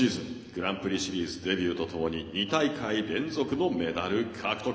グランプリシリーズデビューとともに２大会連続のメダル獲得。